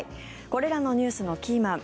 これらのニュースのキーマン